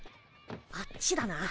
あっちだな。